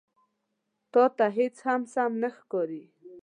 _تاته هېڅ هم سم نه ښکاري.